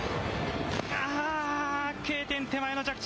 ああ、Ｋ点手前の着地。